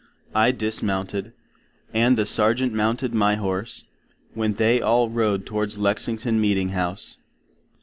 I dismounted, and the Sargent mounted my Horse, when they all rode towards Lexington Meeting House.